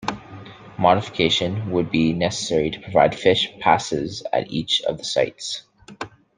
Modification would be necessary to provide fish passes at each of the sites.